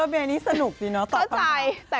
เมย์นี่สนุกดีตอบคำค่า